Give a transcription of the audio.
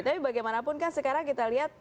tapi bagaimanapun kan sekarang kita lihat